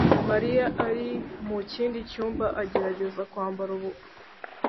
mariya ari mu kindi cyumba agerageza kwambara ubukwe